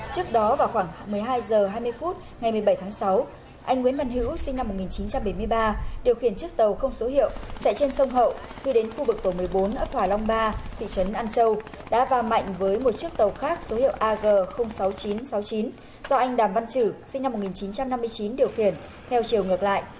trước đó vào khoảng một mươi hai giờ hai mươi phút ngày một mươi bảy tháng sáu anh nguyễn văn hữu sinh năm một nghìn chín trăm bảy mươi ba điều khiển chiếc tàu không số hiệu chạy trên sông hậu khi đến khu vực tổ một mươi bốn ở thỏa long ba thị trấn an châu đã va mạnh với một chiếc tàu khác số hiệu ag sáu nghìn chín trăm sáu mươi chín do anh đàm văn trử sinh năm một nghìn chín trăm năm mươi chín điều khiển theo chiều ngược lại